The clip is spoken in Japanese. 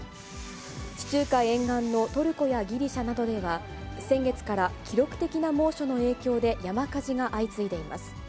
地中海沿岸のトルコやギリシャなどでは、先月から記録的な猛暑の影響で山火事が相次いでいます。